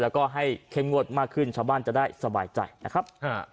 แล้วก็ให้เข้มงวดมากขึ้นชาวบ้านจะได้สบายใจนะครับ